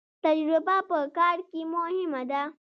تجربه په کار کې مهمه ده